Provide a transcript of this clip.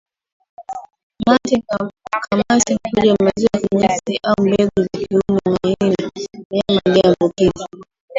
mate kamasi mkojo maziwa kinyesi au mbegu za kiume manii za mnyama aliyeambukizwa